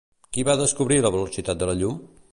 Qui va descobrir la velocitat de la llum?